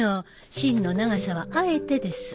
芯の長さはあえてです。